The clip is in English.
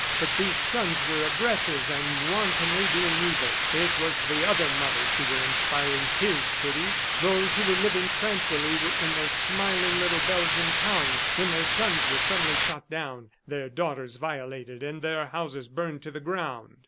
But these sons were aggressors and wantonly doing evil. It was the other mothers who were inspiring his pity those who were living tranquilly in their smiling little Belgian towns when their sons were suddenly shot down, their daughters violated and their houses burned to the ground.